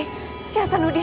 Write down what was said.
kaki ku senur jati